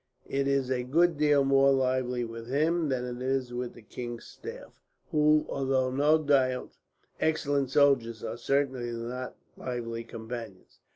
It is a good deal more lively with him than it is with the king's staff; who, although no doubt excellent soldiers, are certainly not lively companions.